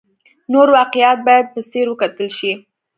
نور واقعیات باید په ځیر وکتل شي.